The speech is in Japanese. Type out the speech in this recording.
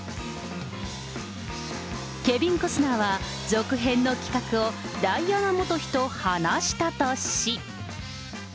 ケビン・コスナーは、続編の企画をダイアナ元妃と話したとし。